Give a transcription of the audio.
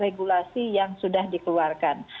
regulasi yang sudah dikeluarkan